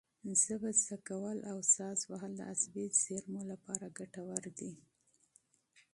ژبه زده کول او ساز وهل د عصبي زېرمو لپاره ګټور دي.